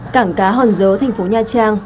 cảng cá hòn giới thành phố nha trang